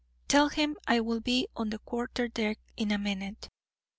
"Tell him I will be on the quarter deck in a minute."